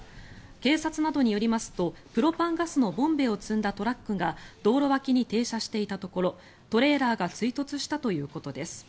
警察などによりますとプロパンガスのボンベを積んだトラックが道路脇に停車していたところトレーラーが追突したということです。